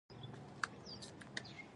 بيا مې وپوښتل ادې.